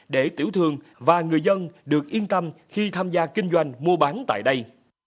để tiểu thương và người dân được yên tâm khi tham gia kinh doanh mua bán tại đây